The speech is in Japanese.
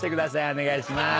お願いしまーす。